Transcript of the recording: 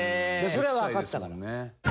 それはわかったから。